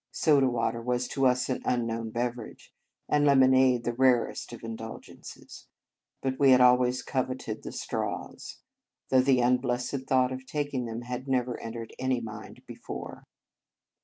Soda water was to us an unknown beverage, and lemonade the rarest of indulgences; but we had always cov eted the straws, though the unblessed thought of taking them had never en tered any mind before.